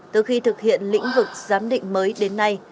từ khi thực hiện lĩnh vực giám định mới đến nay